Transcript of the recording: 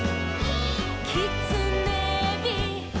「きつねび」「」